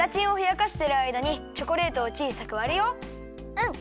うん！